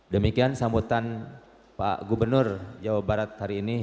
demikian sambutan pak gubernur jawa barat hari ini